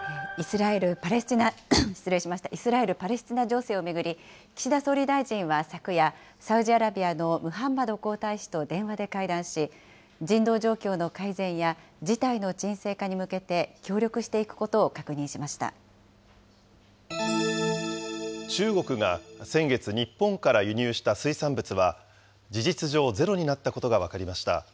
イスラエル・パレスチナ情勢を巡り、岸田総理大臣は昨夜、サウジアラビアのムハンマド皇太子と電話で会談し、人道状況の改善や、事態の沈静化に向けて、協力していくことを確中国が先月、日本から輸入した水産物は、事実上ゼロになったことが分かりました。